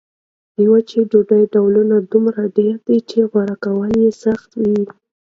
د وچې ډوډۍ ډولونه دومره ډېر دي چې غوره کول یې سخت وي.